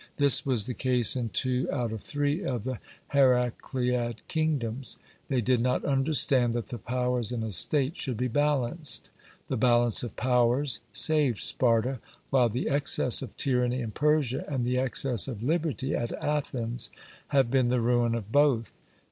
This was the case in two out of three of the Heracleid kingdoms. They did not understand that the powers in a state should be balanced. The balance of powers saved Sparta, while the excess of tyranny in Persia and the excess of liberty at Athens have been the ruin of both...